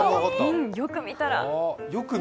よく見たら。